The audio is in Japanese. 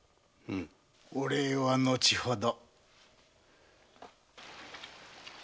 お礼は後ほど。